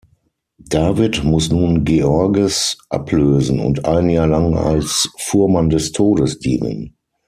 David muss nun Georges ablösen und ein Jahr lang als Fuhrmann des Todes dienen.